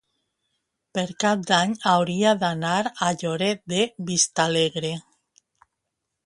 Per Cap d'Any hauria d'anar a Lloret de Vistalegre.